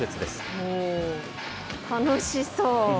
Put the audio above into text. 楽しそう。